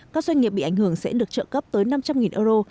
các doanh nghiệp bị ảnh hưởng sẽ được trợ cấp tới năm trăm linh euro